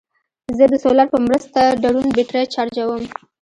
زه د سولر په مرسته ډرون بیټرۍ چارجوم.